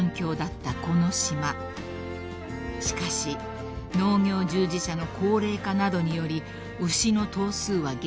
［しかし農業従事者の高齢化などにより牛の頭数は減少］